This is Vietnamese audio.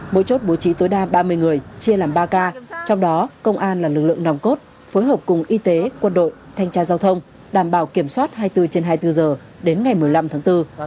mỗi chốt bố trí tối đa ba mươi người chia làm ba k trong đó công an là lực lượng nòng cốt phối hợp cùng y tế quân đội thanh tra giao thông đảm bảo kiểm soát hai mươi bốn trên hai mươi bốn giờ đến ngày một mươi năm tháng bốn